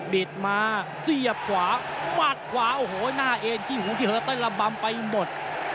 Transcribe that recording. เด็ดมาเสียบขวามัดขวาโอ้โหหน้าเอ็นขี้หูที่เหลือเต้นระบำไปหมด